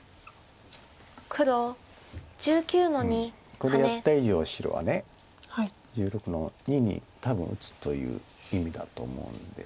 これやった以上白は１６の二に多分打つという意味だと思うんです。